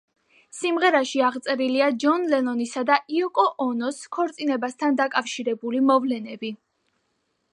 სიმღერაში აღწერილია ჯონ ლენონისა და იოკო ონოს ქორწინებასთან დაკავშირებული მოვლენები.